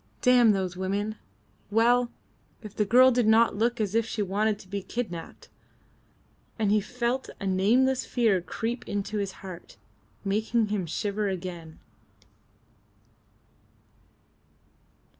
"Damn those women! Well! If the girl did not look as if she wanted to be kidnapped!" And he felt a nameless fear creep into his heart, making him shiver again.